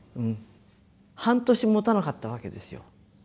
半年もたなかったわけですよ。